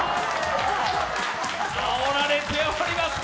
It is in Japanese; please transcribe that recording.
あおられております。